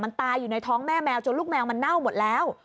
มันตายอยู่ในท้องแม่แมวจนลูกแมวมันเน่าหมดแล้ว